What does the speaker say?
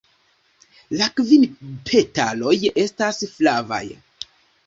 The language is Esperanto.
La kvin petaloj estas flavaj.